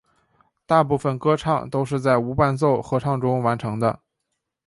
大部分歌唱都是在无伴奏合唱中完成的。